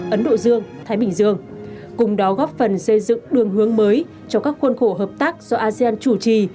ấn độ dương thái bình dương cùng đó góp phần xây dựng đường hướng mới cho các khuôn khổ hợp tác do asean chủ trì